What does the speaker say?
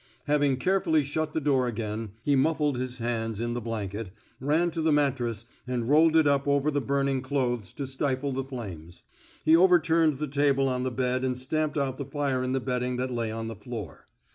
Hav ing carefully shut the door again, he muflBed his hands in the blanket, ran to the mattress and rolled it up over the burning clothes to stifle the flames. He overturned the table on the bed and stamped out the fire in the bed ding that lay on the floor.